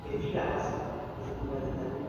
پرمختیايي هیوادونه د پانګي له کمښت سره مخ دي.